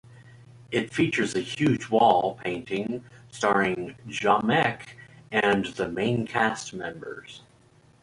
It features a huge wall painting starring Jommeke and the main cast members.